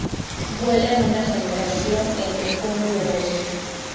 Vuela en una generación entre junio y agosto.